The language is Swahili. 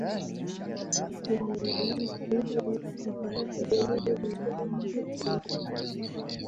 Siku ya Uhuru wa Vyombo vya Habari Duniani